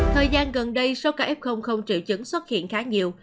thời gian gần đây số ca f không triệu chứng xuất hiện khá nhiều